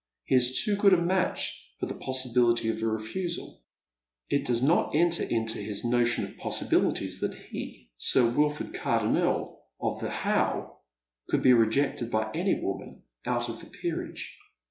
He is too good a match for the possibility of a refusal. It does not enter into his notion of possibilities that he, Sir Wilford Cardonuel, of The How, could be rejected by any woman out of the peerage.